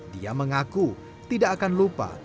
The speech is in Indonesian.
dia mengaku tidak akan lupa